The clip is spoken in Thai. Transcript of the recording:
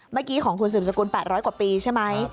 เมื่อกี้ของคุณสืบสกุล๘๐๐กว่าปีใช่ไหม